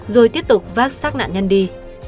rồi tiếp tục vác sát nạn nhân đi